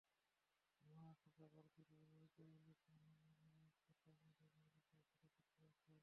মহারাষ্ট্রসহ ভারতের বিভিন্ন রাজ্যের অনেক মন্দিরেই নিজস্ব প্রথা অনুযায়ী নারীদের প্রবেশে নিষেধাজ্ঞা রয়েছে।